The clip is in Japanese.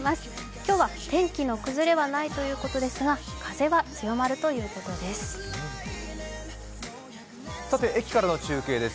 今日は天気の崩れはないということですが風は強まるということです。